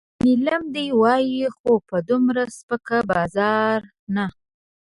نیلام دې وای خو په دومره سپک بازار نه.